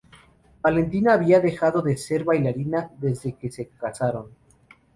Valentina había dejado de ser bailarina desde que se casaron.